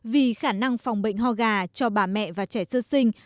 vì khả năng phòng bệnh ho gà cho bà mẹ và trẻ sơ sinh